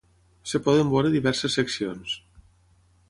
Es poden veure diverses seccions.